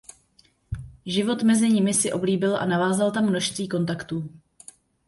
Život mezi nimi si oblíbil a navázal tam množství kontaktů.